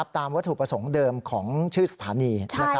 ตามวัตถุประสงค์เดิมของชื่อสถานี